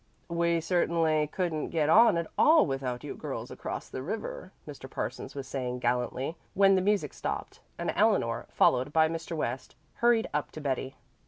"We certainly couldn't get on at all without you girls across the river," Mr. Parsons was saying gallantly, when the music stopped and Eleanor, followed by Mr. West, hurried up to Betty.